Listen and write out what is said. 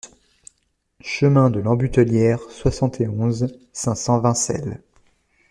Chemin de l'Ambutelière, soixante et onze, cinq cents Vincelles